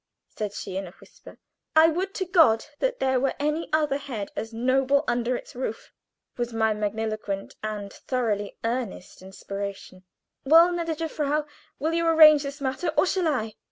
she said in a whisper. "I would to God that there were any other head as noble under its roof!" was my magniloquent and thoroughly earnest inspiration. "Well, gnädige Frau, will you arrange this matter, or shall I?"